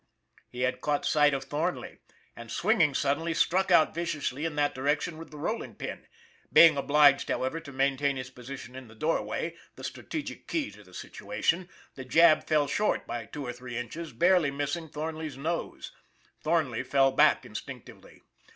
He had caught sight of Thornley, and, swinging suddenly, struck out viciously in that direction with the rolling pin. Being obliged, however, to maintain his position in the doorway, the strategic key to the situation, the jab fell short by two or three inches, barely missing Thornley's nose. Thornley fell back instinctively.